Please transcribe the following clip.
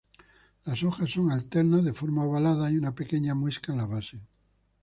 Las hojas son alternas, de forma ovalada, y una pequeña muesca en la base.